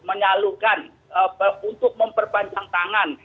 menyalurkan untuk memperpanjang tangan